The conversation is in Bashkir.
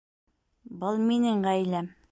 Был минең ғаиләм